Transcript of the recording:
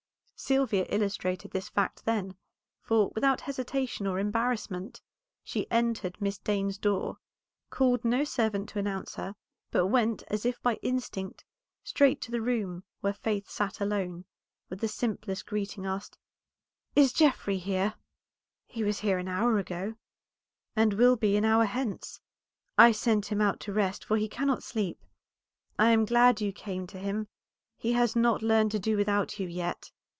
Sylvia illustrated this fact, then; for, without hesitation or embarrassment, she entered Miss Dane's door, called no servant to announce her, but went, as if by instinct, straight to the room where Faith sat alone, and with the simplest greeting asked "Is Geoffrey here?" "He was an hour ago, and will be an hour hence. I sent him out to rest, for he cannot sleep. I am glad you came to him; he has not learned to do without you yet."